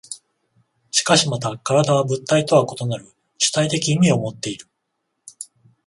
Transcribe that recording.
しかしまた身体は物体とは異なる主体的意味をもっている。